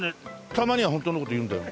たまにはホントの事言うんだよ。